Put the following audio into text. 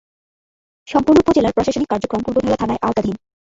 সম্পূর্ণ উপজেলার প্রশাসনিক কার্যক্রম পূর্বধলা থানার আওতাধীন।